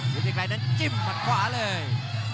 ฤติไกรจิ้มมัดขวาเลย